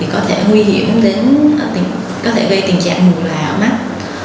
có thể gây tình trạng mù lòa ở mắt